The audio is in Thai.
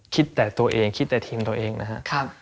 คิดแต่ตัวเองคิดแต่ทีมตัวเองนะครับ